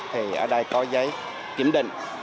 thì ở đây có giấy kiểm định